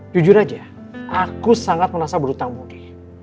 jujur aja aku sangat merasa berutang budi